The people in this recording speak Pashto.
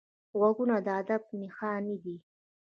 غوږونه د ادب نښانې دي